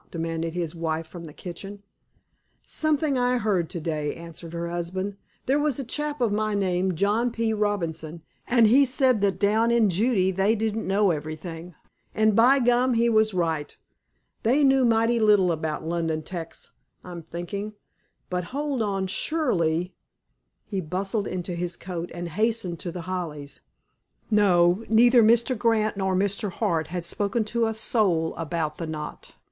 demanded his wife from the kitchen. "Something I heard to day," answered her husband. "There was a chap of my name, John P. Robinson, an' he said that down in Judee they didn't know everything. And, by gum, he was right. They knew mighty little about London 'tecs, I'm thinking. But, hold on. Surely—" He bustled into his coat, and hastened to The Hollies. No, neither Mr. Grant nor Mr. Hart had spoken to a soul about the knot.